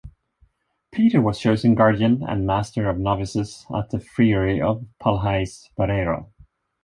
Peter was chosen guardian and Master of novices at the friary of Palhais, Barreiro.